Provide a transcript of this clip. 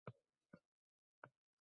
Birga qaytamiz.